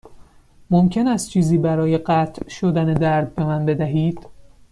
ممکن است چیزی برای قطع شدن درد به من بدهید؟